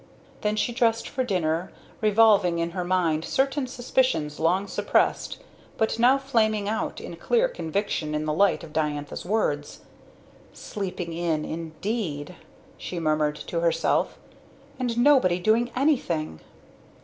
Then she dressed for dinner, revolving in her mind certain suspicions long suppressed, but now flaming out in clear conviction in the light of Diantha's words. "Sleeping in, indeed!" she murmured to herself. "And nobody doing anything!"